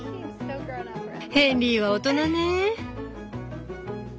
ヘンリーは大人ねぇ。